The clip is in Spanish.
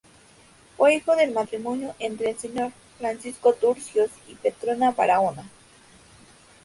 Fue hijo del matrimonio entre, el señor: Francisco Turcios y Petrona Barahona.